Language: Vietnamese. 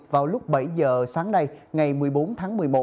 vào lúc bảy giờ sáng nay ngày một mươi bốn tháng một mươi một